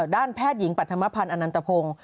ด้านแพทย์หญิงปรัฐมพันธ์อนันตพงศ์